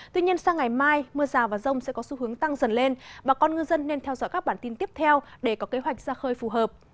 tuy nhiên sang ngày mai mưa rào và rông sẽ có xu hướng tăng dần lên bà con ngư dân nên theo dõi các bản tin tiếp theo để có kế hoạch ra khơi phù hợp